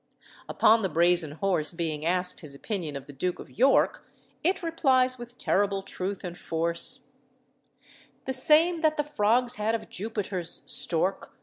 Upon the brazen horse being asked his opinion of the Duke of York, it replies with terrible truth and force: "The same that the frogs had of Jupiter's stork.